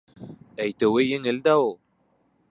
- Әйтеүе еңел дә у...